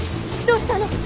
どうしたの？